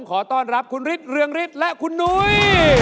ขอต้อนรับคุณฤทธิเรืองฤทธิ์และคุณนุ้ย